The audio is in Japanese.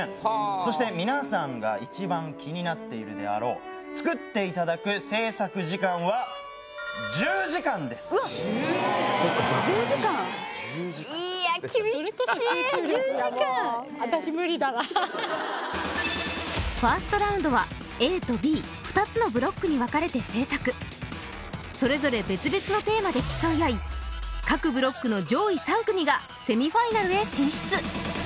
そして皆さんが一番気になっているであろう作っていただくそれこそ集中力がもうファーストラウンドはＡとＢ２つのブロックに分かれて制作それぞれ別々のテーマで競い合い各ブロックの上位３組がセミファイナルへ進出